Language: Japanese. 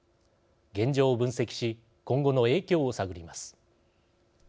現状を分析し今後の影響を探ります。